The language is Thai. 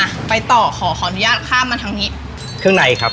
อ่ะไปต่อขอขออนุญาตข้ามมาทางนี้เครื่องในครับ